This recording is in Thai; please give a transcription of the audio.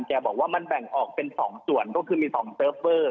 บอกว่ามันแบ่งออกเป็น๒ส่วนก็คือมี๒เซิร์ฟเวอร์